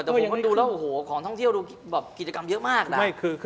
แต่ผมดูแล้วของท่องเที่ยวดูกิจกรรมเยอะมาก